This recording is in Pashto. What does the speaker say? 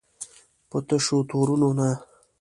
په تشو تورونو نه.